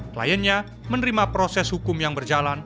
kliennya menerima proses hukum yang berjalan